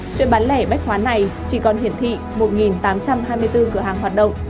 chuyến bán lẻ bách hóa này chỉ còn hiển thị một tám trăm hai mươi bốn cửa hàng hoạt động